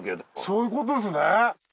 そういうことですね。